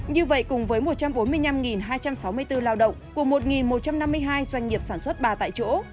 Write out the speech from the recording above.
như vậy cùng với một trăm bốn mươi năm hai trăm sáu mươi bốn lao động của một một trăm năm mươi hai doanh nghiệp sản xuất ba tại chỗ